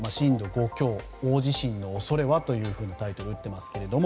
５強大地震の恐れは？とタイトルを打っています。